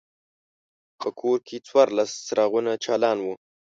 په کور کې څوارلس څراغونه چالان وو.